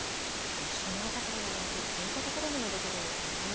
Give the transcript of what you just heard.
新型コロナの影響、こういったところにも出ているんですね。